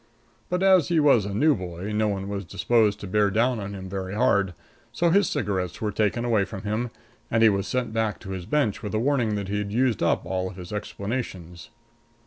But as he was a new boy, no one was disposed to bear down on him very hard, so his cigarettes were taken away from him and he was sent back to his bench with a warning that he had used up all his explanations.